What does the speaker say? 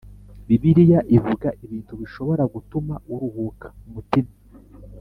Bibiliya ivuga ibintu bishobora gutuma uruhuka umutima